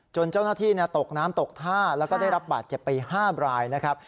เจ้าหน้าที่ตกน้ำตกท่าแล้วก็ได้รับบาดเจ็บไป๕รายนะครับ